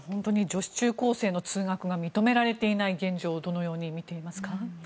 女子中高生の通学が認められていない現状をどのように見ていますか？